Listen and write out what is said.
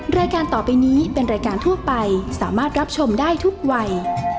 รายการต่อไปนี้เป็นรายการทั่วไปสามารถรับชมได้ทุกวัย